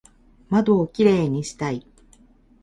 窓をキレイにしたい